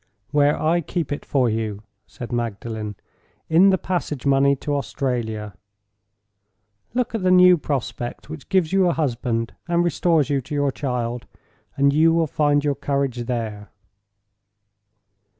"Where I keep it for you," said Magdalen—"in the passage money to Australia. Look at the new prospect which gives you a husband, and restores you to your child—and you will find your courage there."